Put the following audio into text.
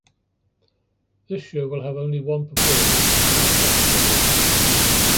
This show will have only one performance, in Hyde Park, London.